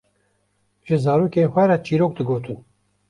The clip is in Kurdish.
ji zarokên xwe re çîrok digotin.